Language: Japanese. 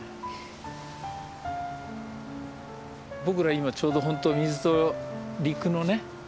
僕ら今ちょうどほんと水と陸のね